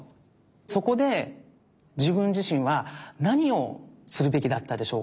そこでじぶんじしんはなにをするべきだったでしょうか？